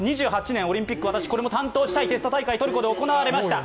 ２８年、オリンピック、これも担当したい、テスト大会トルコで行われました